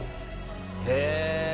へえ！